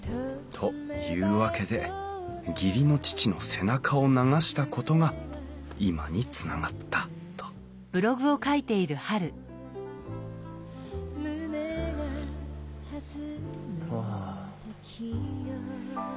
「というわけで義理の父の背中を流したことが今につながった」とはあ。